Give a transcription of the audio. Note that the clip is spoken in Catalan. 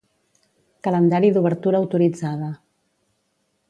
Calendari d'obertura autoritzada